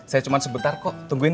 saya cuma sebentar kok tungguin